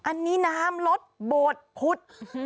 อันนี้น้ำลดบวชพุธ